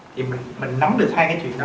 thì mình nắm được hai cái chuyện đó